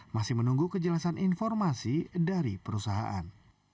masih menunggu kejelasan informasi dari perusahaan